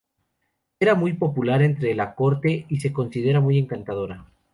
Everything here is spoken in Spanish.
Era muy popular entre la corte y era considera muy encantadora.